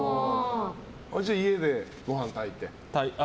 じゃあ、家でご飯炊いて。